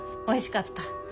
おいしかった。